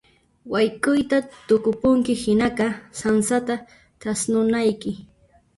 Wayk'uyta tukupunki hinaqa sansata thasnunayki.